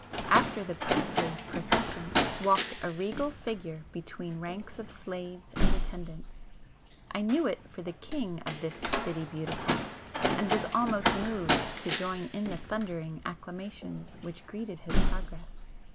After the priestly procession walked a regal figure between ranks of slaves and attendants,—I knew it for the King of this 'City Beautiful,' and was almost moved to join in the thundering acclamations which greeted his progress.